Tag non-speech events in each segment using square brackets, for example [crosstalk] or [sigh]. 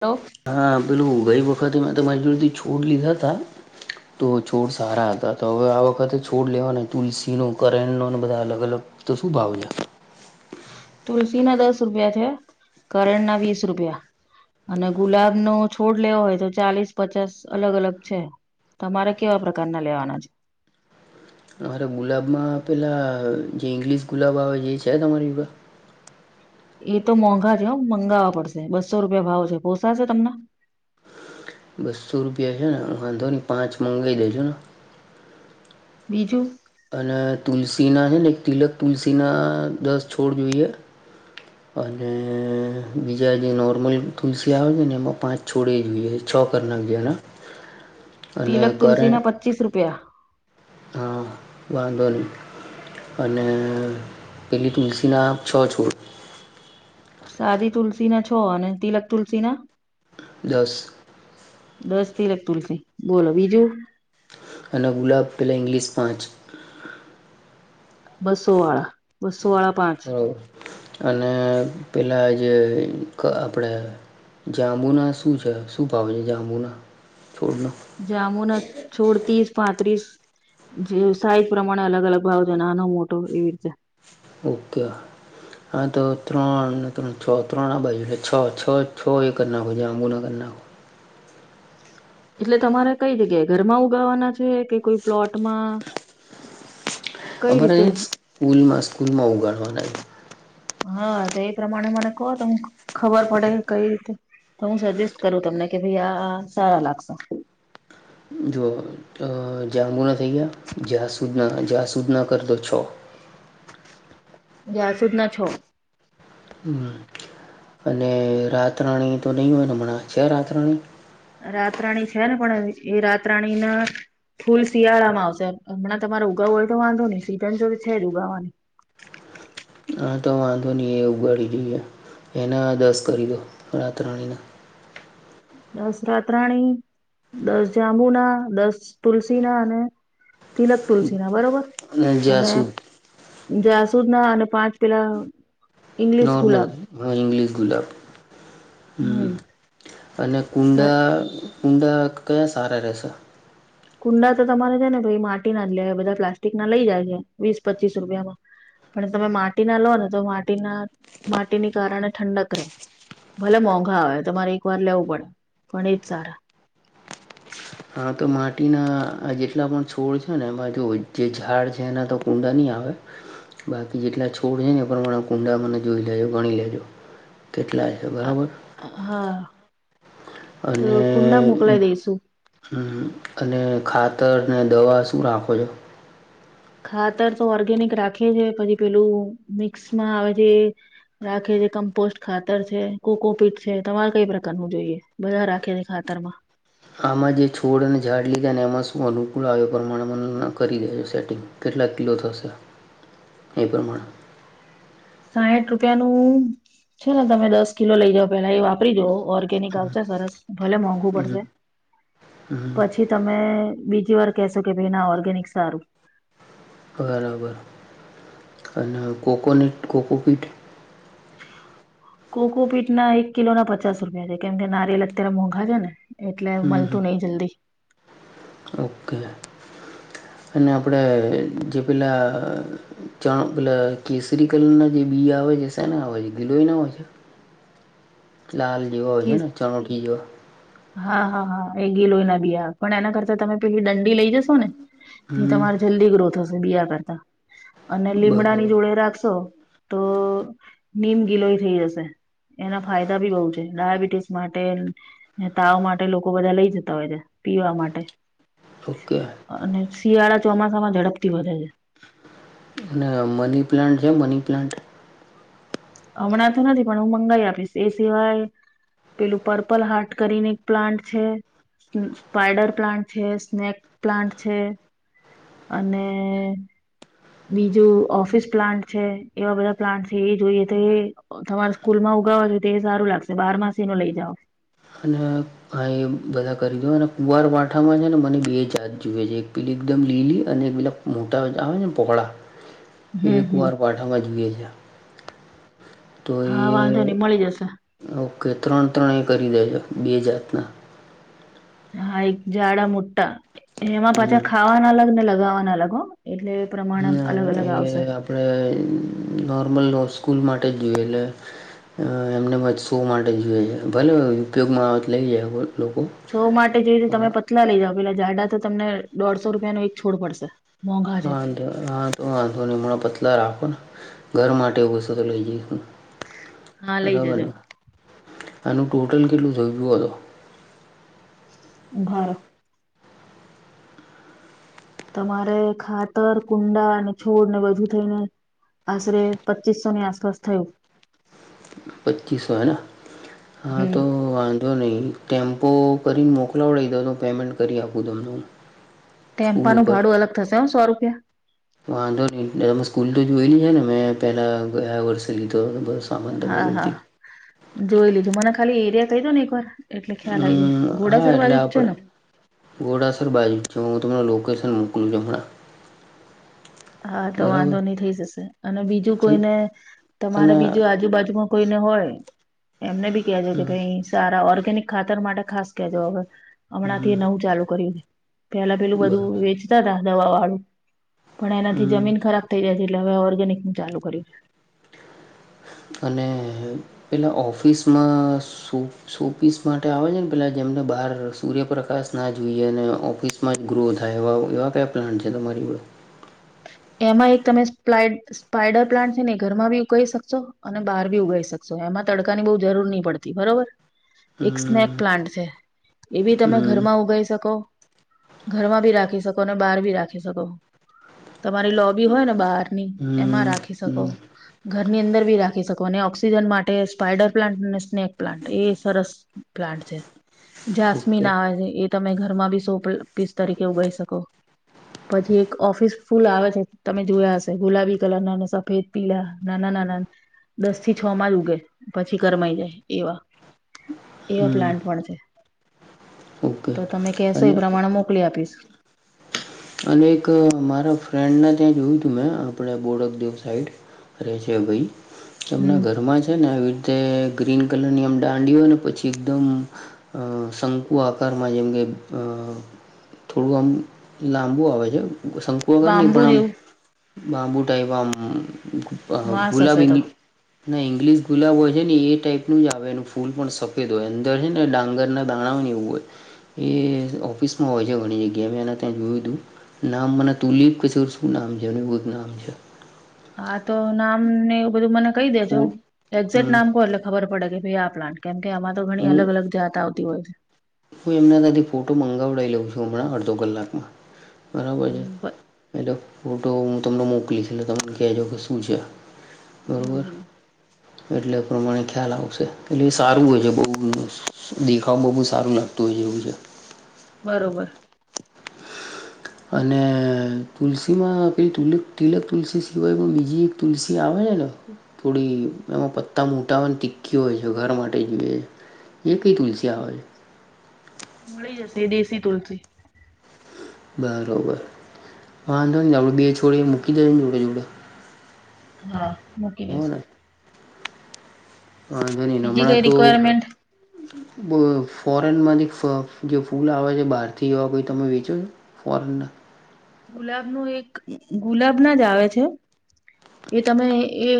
Hello હા પેલું ગઈ વખતે મેં તો મજૂરીથી છોડ લીધા હતા તો છોડ સારા હતા તો હવે આ વખતે છોડ લેવાના તુલસીનો કરણનો બધા અલગ અલગ તો શું ભાવ છે તુલસી ના દસ રૂપિયા છે કરણના વીસ રૂપિયા અને ગુલાબનોો છોડ લેવો હોય તો ચાલીસ પચાસ અલગ અલગ છે તમારે કેવા પ્રકારના લેવાના છે અમારા ગુલાબમાં પેલા જે ઇંગ્લિશ ગુલાબ આવે જે છે તમારી ગા એ તો મોંઘા છેમ મંગાવવા પડશે બસો રૂપિયા ભાવ છે પોસાશે તમને બસો રૂપિયા છે ને વાંધો નહી પાંચ મંગી દેજો ને બીજું અને તુલસીના છે ને એક તિલક તુલસીના દસ છોડ જોઈએ અને બીજા જે નોર્મલ તુલસી આવે છે ને એમાં પાંચ છોડે જોઈએ અછો કરના અગેના તિલક તુલસીના પચીસ રૂપિયા હા વાંધો નહી અને પેલી તુલસીના છ છોડ. સાદી તુલસી ના છો અને તિલક તુલસી ના. દસ. દસ થી લખતુલસિં બોલો બીજું. અને ગુલાબ પેલે ઇંગ્લિશ પાંચ. બસો વાળા બસો [unintelligible] અને પેલા [unintelligible] આપડે. જાંબુના શું છે, શું ભાવે છે, જાંબુના છોડનો. જામુન છોડ [unintelligible] પાંત્રીસ. જે સાઈજ પ્રમાણે અલગ અલગ ભાવ છે, નાનો મોટો એવી રીતે. ઓકે. હા તો ત્રણ ત્રણ છ ત્રણ આ બાજુ એટલે છ છ છ એ કરી નાખોજ આંબુ ના કરી નાખો. એટલે તમારે કઈ જગ્યાએ ઘરમાં ઉગાવાના છે કે કોઈ પ્લોટમાં. કઈ અમારે રીતે સ્કૂલમાં સ્કૂલમાં ઉગાડવાના. હા તો એ પ્રમાણે મને કહો તો ખબર પડે કઈ રીતે. તો હું સજેસ્ટ કરું તમને કે ભાઈ આ સારા લાગશે. જો જાંબુ ના થઈ ગયા જાસૂદ ના જાસૂદ ના કરતો છ. [unintelligible] છ હમ અને રાતરાણી તો નહી હોય ને હમણાં છે, રાત રાણી. રાત રાણી છે, ને પણ એ રાત રાણીના. ફૂલ શિયાળામાં આવશે હમણાં તમારે ઉગાવું હોય તો વાંધો નહી સીઝન જો છે, જ ઉગાવાની. હા તો વાંધો નહી એ ઉગાડી દઈએ એના દસ કરી દો રાત્ર રાણીના. દસ રાત્રાણી દસ [unintelligible] દસ તુલસીના અને. તિલક તુલસી ના બરોબર અને. જા સુુદ ના અને પાંચ પેલા ઈંગ્લિશ નોર્મલ ગુલાબ ઇંગ્લિશ ગુલાબ હમ અને કુંડા કુંડા કયા સારા રશે કુંડા તો તમારે છે, ને ભ માટી ના જ લેવા બધા પ્લાસ્ટિક ના લઈ જાય છે, વીસ પચીસ રૂપિયામાં પણ તમે માટીના લો ને તો માટીના માટીની કારણે ઠંડક રહે ભલે મોંઘા આવે તમારે એક વાર લેવું પડે પણ એજ સારા હા તો માટીના જેટલા પણ છોડ છે, ને એ બાજુ જે ઝાડ છે, એના તો ઊંડાનીં આવે બાકી જેટલા છોડ છે, ને એ પ્રમાણે કુંડા મને જોઈ લેજો ગણી લેજો કેટલા તે બરાબર હા તો કુંડા મોકલાય દઈશુ. હ અને ખાતરને દવા શું રાખો છો. ખાતર તો ઓર્ગેનિક રાખે છે, પછી પેલું મિક્સમાં આવે છે. રાખે છે, કમ્પોસ્ટ ખાતર છે, કોકોપીટ છે, તમારે કઈ પ્રકાર ન જોઈએ બધા રાખે છે, ખાતર માં આમાં જે છોડ અને ઝાડ લીધા ને એમાં શું અનુકૂળ આવ પ્રમાણે મને કરી દેજો સેટિંગ કેટલા કિલો થશે એ પ્રમાણે સાઠ રૂપિયાનું [unintelligible] છે, ને તમે દસ કિલો લઇ જાવ પેલા એ વાપરી જો ઓર [unintelligible] આવશે સરસ ભલે મોંઘું હમ પડશે હમ પછી તમે બીજી વાર કેહેશો કે ભાઈ ના ઓર્ગેનિક સારું બરાબર અને કોકોનટ કોકોપીટ કોકોપીટ ના એક કિલો ના પચાસ રૂપિયા છે, કેમ કે નારિેલ અત્યારે મોંઘા છે, ને એટલે હમ હમ મળતું નહિ જલ્દી ઓકે અને આપણે જે પેલા [unintelligible] કેસરી કલ ના જે બી આવે છે, [unintelligible] આવે છે, ગિલોઈ ના આવેય છે. લાલ જોવા કે હય છેને ચલો જવા હા હા હા એ ગી લોહીના બીયા પણ એના કરતા તમે પેલી દં લઈ જશો ને હમ તમારે જલ્દી ગ્રો થ હશે બીજ કરતા અને લીમડા ની બરોબર જોડે રાખશો તો નીમ ગિલોય થઈ જશે એના ફાયદા ભી બઉુ ડાયાબિટીસ માટે તાવ માટે લોકો બધા લઈ જતા હોય છે પીવા માટે ઓકે અને શિયાળા ચોમાસા માં ઝડપથી વધે છે. અને મની પ્લાન્ટ છે મની પ્લાન્ટ હમણાં તો નથી પણ હું મંગાઈ આપીશ એ સિવાય પેલું પર્પલ હાર્ટ કરીને એક પ્લાન્ટ છે. સ્પાઈડર પ્લાન્ટ છે સ્નેક પ્લાન્ટ છે. અને બીજું ઓફિસ પ્લાન્ટ છે એવા બધા પ્લાન્ટ છે એ જોઈએ તો એ તમારે સ્કૂલ માં ઉગા હોય તો તે એ સારું લાગશે બાર માસી નું લઇ જાાવ અને હા એ બધા કરી દો અને કુવાર વાંઠામાં છે ને મને બે જાત જોુએ છે એક પેલી એકદમ લીલી અને એક પેલા મોટા હ જે પકડા હમ કો હમ પાઠામાં જોુએ છે. તો એ હા વાંધો નહી મળી જશે ઓકે ત્રણ ત્રણે એ કરી દેજો બે જાતના હા એક ઝાડા મોટા એમાં પાછા હમ ખાવાના અલગ ને લગાવાના અલગ હો એટલે પ્રમાણમ ના અલગ અલગ આવશે. એ આપણે નોર્મલ સ્કૂલ માટે જ જોઈએ એટલે એમને મ શ માટે જોઈ ભલે ઉપયોગમાં આવત લઈ જાય લોકો છો માટે જોઈ તો તમે પતલા લઇ જાાવ પેલા જાઝડા તો તમને દોઢસો રૂપિયાનોો એક છોડ પડશે મોંઘા છે વાંધો વાંધ વાંધો હમણા પતલા રાખો ને ઘર માટેુંસું તો લઈ જઈશ. હા લઈ જજો બરાબરને આનું ટોટલ કેટલું જોઈ્યું હત. ઘર તમારે ખાતર કુંડા અને છોડ ને બધું થઈને આશરે પચીસો ની આસપાસ થયું પચીસો હેના હા હમ તો વા જો નહીં ટેમ્પો કરીને મોકલાવડાવ દો તો પેમેન્ટ કરી આપું તમને સ્કૂલ ટેમ્પાનું ઉપર ભાડું અલગ થશે સો રૂપિયા વાંધો ન તમે સ્કૂલ તો જોયેલી છે ને મેં પેલા ગયા વર્ષ ચલીધો બર સામાન તમામે હા હા ઉતી જોઈ લીજું મને ખાલી એરિયા થઇ જ ને એક વાર એટલે ખ્યાલ આવી જાય હા ઘોડાસર એટલે બાજુ જ આપણે છે ને ઘોડાસર બાજુ છે હ હું તમને લોકેશન મોકલું છું હમણાં હા તો બરાબર વાંધો નહી થઈ જશે અને બીજું અને કોઈને તમારે અને બીજું આજુબાજુમાં કોઈને હોય એમને બી કેજો કે હમ ભાઈ સારા ઓર્ગેનિક ખાતર માટે ખાસ કેજો હવે હમણાં થી હમ નવું ચાલુ કર્યું છે પેલા પેલું બધું બરાબર વેચતા હતા દવા વાળું પણ એનાથી હમ જમીન ખરાબ થઈ જાય છે એટલે હવે ઓર્ગેનિક નું ચાલુ કર્યું છે અને પેલા ઓફિસમાં શો શોફીસ માટે આવે છે ને પેલાં જેમને બહાર સૂર્યપ્રકાશ ના જોઈએ અને ઓફિસ માં જ ગ્રો થાય એવા એવા કયા પ્લાન્ટ છે તમારી જોડ એમાં એક તમે સ્પ સ્પાઈડર પ્લાન્ટ છે ને ઘરમાં બી ઉકા શકશો અને બહાર ભી ઉગાવી શકશો એમાં તડકા ની બહુ જરૂર નહી પડતી બરોબર એક સ્નેક હમ પ્લાન્ટ છે એ બી તમે હમ ઘરમાં ઉગાઈ શકો ઘરમાં ભી રાખી શકો અને બહાર ભી રાખી શકો તમારી લોબી હોય ને બહારની એમાં હમ રાખી શકો હમ ઘરની અંદર બી રાખી શકો અને ઓક્સિજન માટે સ્પાઈડર પ્લાન્ટને સ્નેક પ્લાન્ટ એ સરસ પ્લાન્ટ છે ઓકે જાસમીન આવે છે એ તમે ઘરમાં બી સો પીસ તરીકે ઉગાઈ શકો પછી એક ઓફિસ ફૂલ આવે છે તમે જોયા હશે ગુલાબી કલર ના સફેદ પીલા નાના નાના દસ થી છ માં જ ઉગે પછી કરમાઈ જાય એવા એવા હમ પ્લાન્ટ પણ છે ઓકે તો તમે કેશો અને એ પ્રમાણે મો મોકલી આપીશ અને એક મારા ફ્રેન્ડને ત્યાં જોયું તું મેં આપણે બોડકદેવ સાઈડ રહેે છે ભાઈ એમના હમ ઘરમાં જ છે ને આવી રીતે ગ્રીન કલરની આમ દાંડીિ હોય ને પછી એકદમ અ શંકુ આકારમાં જેમ કે અ થોડું આમ લાંબુ આવે છે શંકુ વગર નહીં બાંબુ પણ આમ જેવું લાબું ટાઈપ આમ ઓહો વાસ હશે તો ગુલાબી ના ઇંગ્લિશ ગુલાબ હોય છે ને એ ટાઈપ નનું જ આવે એ ફૂલ પણ સફેદ હોય અંદર છે ને ડાંગરના [unintelligible] એવું હોય એ ઓફિસમાં હોય છે ઘણી જગ્યાના ત્યાં જોયું હતું નામ મ તુલીપ કશોર શું નામ છે એવું જ નામ છે હા તો નામ ને એવ બધું મને કહી દેજો ફૂલ એક્ઝેક્ટ હમ્મ નામ કહો એટલે ખબર પડે કે ભાઈ આ પ્લાન્ટ કેમ કે આમાં તો ઘણી હું અલગ અલગ જાત આવતી હોય છે હું એમના તાતી ફોટો મંગાવડાાવ લઉં છું હમણાં અડધો કલાકમાં બરાબર છે હમ બ- એલો ફોટો હું તમને મોક મોકલી છે તમને કહેજો કે શું છે હમ બરોબર હમ. એટલે એ પ્રમાણે ખ્યાલ આવશે એટલે એ સારું હોય છે બહુ દેખાવ બહુ સારું લાગતું હોય છે એવું છે બરોબર અને તુલસી માં પેલી તુલક તિલક તુલસી સિવાય પણ બીજી એક તુલસી આવે છે ને થોડી એમાં પત્તા મોટાવાને તીકી હોય છે ઘર માટે જોઈએ છે એક કઈ તુલસી આવેય મળી જશે દેશી તુલસી બરાબર વાંધો નહી આપણે બે છોડે એ મૂકી દેજ ને જોડે જોડે હા મૂકી હો દેશુ ને વાંધો બીજી કઈ રિક્વાયરમેન્ટ ફોરેન માંથી જે ફૂલ આવે છે બહારથી એવા કોઈ તમે વેચો છો ફોરન ગુલાબ ન એક ગુલાબ ના જ આવે છે એ તમે એ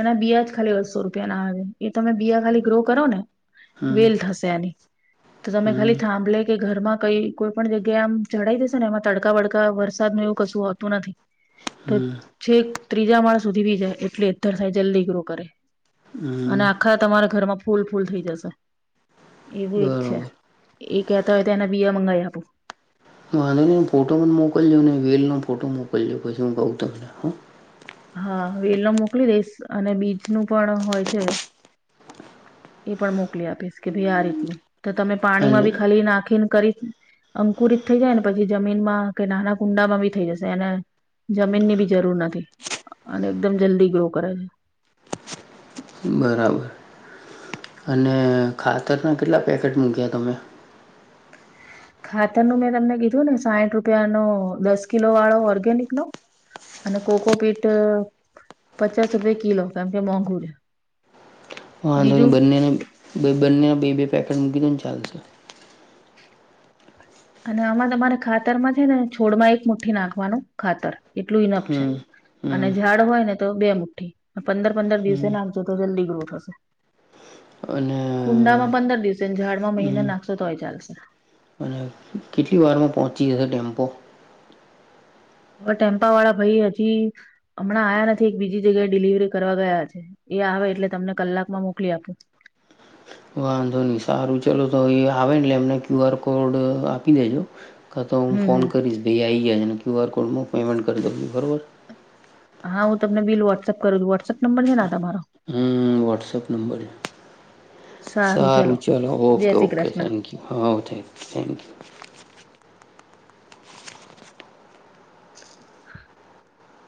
એના બિયાજ ખાલી બસો રૂપિયા ના આવે એ તમે બીયા ખાલી ગ્રો કરો ને હમ વેલ થશે એની તો તમે ખાલી હમ થાંભલે કે ઘરમાં કઈ કોઈ પણજગ્યા આમ ચડાઈ દશે ને એમાં તડકા બડકા વરસાદ ન એવું કશું હોતું નથી તો હમ છે ત્રીજા માળ સુધી બી જાય એટલે અ્ધર થાય જલ્દી ગ્રો કરે અને હમ આખા તમારા ઘરમાં ફૂલ ફૂલ થઈ જશે એવું એક છે બરોબર એ કહેતા હોય તો એના બીયા મંગા આપું હ વાંધો નને ફોટો પણ મોકલજો ને વેલનો ફોટો મોકલજો પછી હું કહું તમને હા હા વેલો મોકલી દઈશ અને બીજ નું પણ હોય છે એ પણ મોકલી આપીશ કે ભાઈ આ રીતનું તો તમે અને પાણીમાં બી ખાલી નાખીને કરીશ અંકુરિત થઈ જાય ને પછી જમીનમાં કે નાના કુંડામાં બી થઈ જશે અનેને જમીન ની બી જરૂર નથી અને એકદમ જલ્દી ગ્રો કરે છે બરાબર અને ખાતરના કેટલા પેકેટ મૂક્યા તમે ખાતર નું મેં તમને કીધું ને સાઠ રૂપિયા નો દસ કિલો વાળો ઓર્ગેનિક નો અને કોકોપીટ પચાસ રૂપે કિલો કેમ કે મોંઘુ છે હ વાંધોની બીજું બંને બે બંને બે બે પેકેટ મૂકી દો ને ચાલશે અને આમાં તમારે ખાતર માં છે ને છોડ માં એક મુઠ્ઠી નાખવાનું ખાતર કેટલું ઇનપ છે હમ અને હમ ઝાડ હોય ને તો બે મુઠ્ઠી પંદર પંદર દિવસે હમ નાખજો તો જલ્દી ગ્રોથ હશે અને કુંડામાં હમ પંદર દિવસે [unintelligible] ગાડમાં મહિને નાખશો તોય ચાલશે અને કેટલી વારમાં પહોંચી જશે ટેમ્પો- હવે ટટેમ્પા વાળા ભાઈ હજી? હમણાં આ્યા નથી એક બીજી જગ્યાએ ડિલિવરી કરવા ગયા છે એ આવે એટલે તમને કલાકમાં મોકલી આપું- વાંધો નહી સારું ચાલો તો એ આવે ને એમને ક્યુ આર કોડ આપી દેજો- કા તો હું હમ ફોન હમ કરીશ ભાઈ આવી જાયજ ને ક્યુ આર કોડ હું પેમેન્ટ કરી દઉં બરાબર- હા હું તમને બીલ વોટ્સએપ કરુ છું. વોટ્સઅપ નંબર છે ને આ તમારો હમ વોટ્સએપ નંબર- સારું ચાલ જય okay Shri okay Krishna thank you હા થ થેન્ક યુ- [inaudible]